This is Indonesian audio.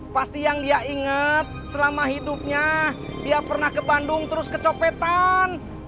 pasti yang dia ingat selama hidupnya dia pernah ke bandung terus kecopetan